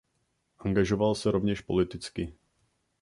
Angažoval se rovněž politicky.